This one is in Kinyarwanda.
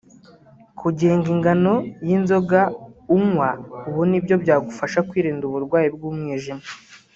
Kugenga ingano y’inzoga unywa ubu nibyo byagufasha kwirinda uburwayi bw’umwijima